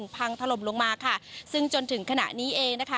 พังถล่มลงมาค่ะซึ่งจนถึงขณะนี้เองนะคะ